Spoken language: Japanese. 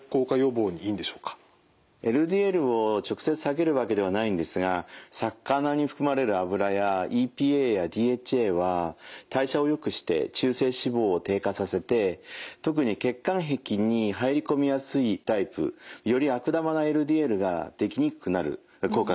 ＬＤＬを直接下げるわけではないんですが魚に含まれる脂やＥＰＡやＤＨＡは代謝をよくして中性脂肪を低下させて特に血管壁に入り込みやすいタイプより悪玉なＬＤＬができにくくなる効果があります。